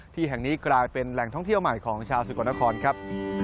ที่แห่งนี้กลายเป็นแหล่งท่องเที่ยวใหม่ของชาวสกลนครครับ